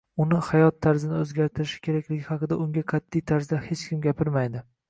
uni — hayot tarzini o‘zgartirishi kerakligi haqida unga qat’iy tarzda hech kim gapirmaydi.